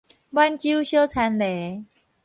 滿洲小田螺